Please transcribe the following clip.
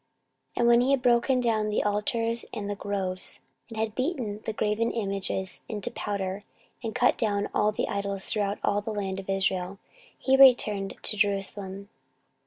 14:034:007 And when he had broken down the altars and the groves, and had beaten the graven images into powder, and cut down all the idols throughout all the land of Israel, he returned to Jerusalem.